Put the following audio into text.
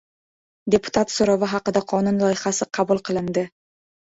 Deputat so‘rovi haqida qonun loyihasi qabul qilindi